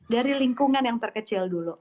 dari lingkungan yang terkecil dulu